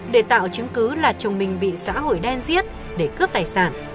để tạo chứng cứ là chồng mình bị xã hội đen giết để cướp tài sản